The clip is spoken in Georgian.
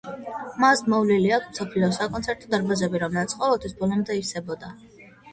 მას მოვლილი აქვს მსოფლიოს საკონცერტო დარბაზები, რომლებიც ყოველთვის ბოლომდე ივსებოდა.